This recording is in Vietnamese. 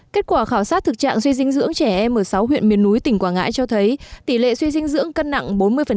kết quả khảo sát thực trạng suy dinh dưỡng trẻ em ở sáu huyện miền núi tỉnh quảng ngãi cho thấy tỷ lệ suy dinh dưỡng cân nặng bốn mươi